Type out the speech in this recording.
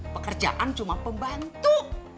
pekerjaan cuma pembantu